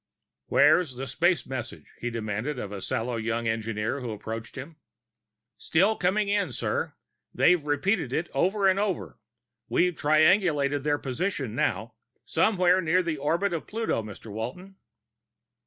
"Where's that space message?" he demanded of the sallow young engineer who approached him. "Still coming in, sir. They're repeating it over and over. We're triangulating their position now. Somewhere near the orbit of Pluto, Mr. Walton."